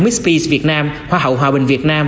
miss peace việt nam hoa hậu hòa bình việt nam